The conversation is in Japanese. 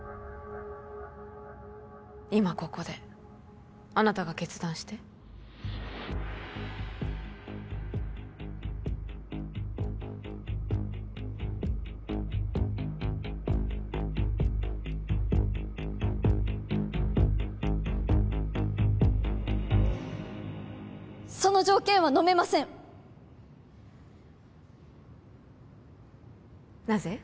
今ここであなたが決断してその条件はのめませんなぜ？